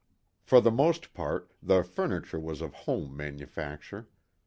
For the most part the furniture was of "home" manufacture.